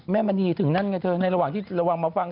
มณีถึงนั่นไงเธอในระหว่างที่ระวังมาฟัง